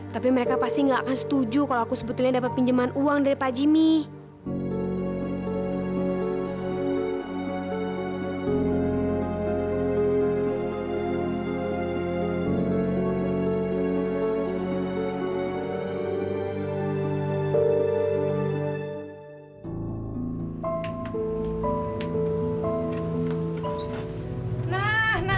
tapi mereka pasti nggak akan setuju kalau aku sebetulnya dapat pinjeman uang dari pak jimmy